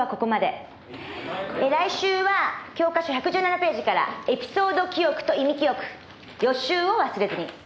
「来週は教科書１１７ページからエピソード記憶と意味記憶」「予習を忘れずに」